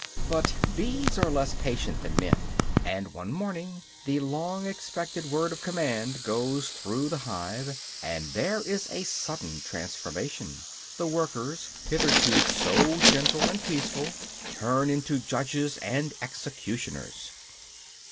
But bees are less patient than men; and one morning the long expected word of command goes through the hive. And there is a sudden transformation: the workers, hitherto so gentle and peaceful, turn into judges, and executioners.